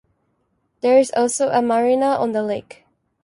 There is also a marina on the lake.